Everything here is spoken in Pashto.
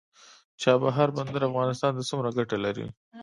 چابهار بندر افغانستان ته څومره ګټه لري؟